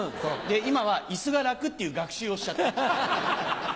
今は椅子が楽っていう学習をしちゃった。